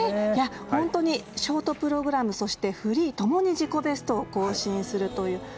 本当にショートプログラムそしてフリーともに自己ベストを更新するという。